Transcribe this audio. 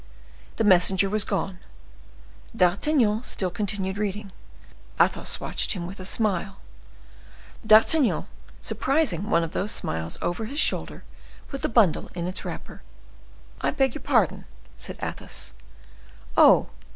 The messenger was gone. D'Artagnan still continued reading, Athos watched him with a smile. D'Artagnan, surprising one of those smiles over his shoulder, put the bundle in its wrapper. "I beg your pardon," said Athos. "Oh!